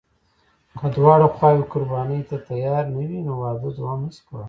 که دواړه خواوې قرباني ته تیارې نه وي، واده دوام نشي کولی.